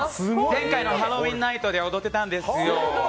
前回のハロウィーンナイトで踊ってたんですよ。